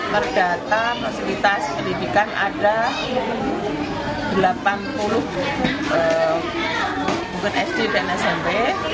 perdata fasilitas pendidikan ada delapan puluh buku sd dan smp